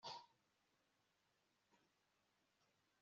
na antipateri mwene yasoni, intumwa z'abayahudi